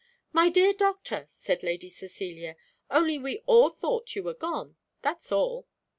"My dear doctor" said Lady Cecilia, "only we all thought you were gone that's all."